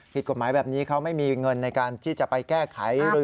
ผิดกฎหมายแบบนี้เขาไม่มีเงินในการที่จะไปแก้ไข